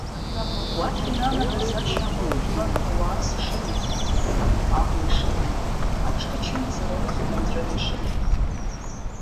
Уахь инанагаз ашьхаруа жәларқәа уаас ишырымԥхьаӡо, амла ишаго, аҿкы чымазара рыхьны анҵәара ишаҿу…